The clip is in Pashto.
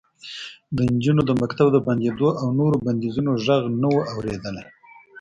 د نجونو د مکتب د بندېدو او نورو بندیزونو غږ نه و اورېدلی